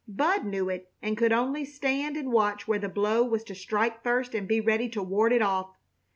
Bud knew it and could only stand and watch where the blow was to strike first and be ready to ward it off.